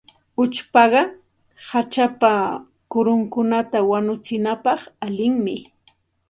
Uchpaqa hachapa kurunkunata wanuchinapaq allinmi.